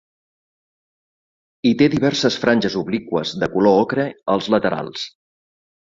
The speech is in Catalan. Hi té diverses franges obliqües de color ocre als laterals.